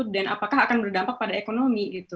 dan apakah akan berdampak pada ekonomi gitu